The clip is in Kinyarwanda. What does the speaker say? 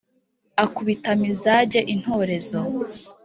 akubita mizage intorezo,